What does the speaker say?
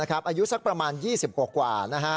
อายุสักประมาณ๒๐กว่า